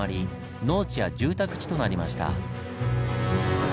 農地や住宅地となりました。